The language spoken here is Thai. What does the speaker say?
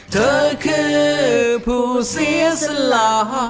เธอคือผู้เสียสละ